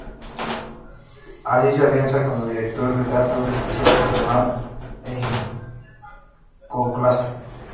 Así se afianza como director de teatro especial, personal e iconoclasta.